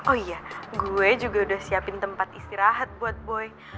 oh iya gue juga udah siapin tempat istirahat buat boy